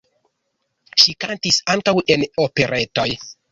Ŝi kantis ankaŭ en operetoj.